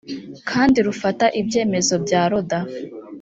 kandi rufata ibyemezo bya loda